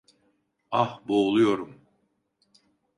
Ah, boğuluyorum.